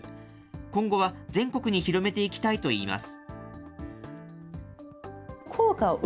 今後は全国に広めていきたいといいます。